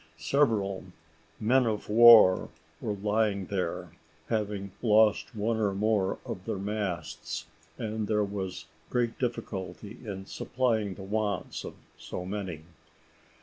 Several men of war were lying there, having lost one or more of their masts, and there was great difficulty in supplying the wants of so many.